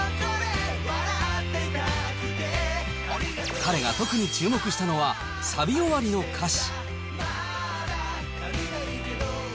彼が特に注目したのは、サビ終わりの歌詞。